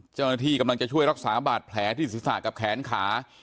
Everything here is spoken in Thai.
เจ้าหน้าที่กำลังจะช่วยรักษาบาดแผลที่ศีรษะกับแขนขา